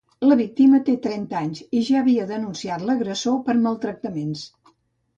La víctima té trenta anys i ja havia denunciat l’agressor per maltractaments.